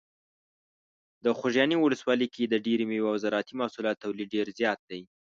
د خوږیاڼي ولسوالۍ کې د ډیری مېوې او زراعتي محصولاتو تولید ډیر زیات دی.